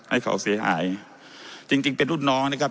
ให้เขาเสียหายจริงจริงเป็นรุ่นน้องนะครับ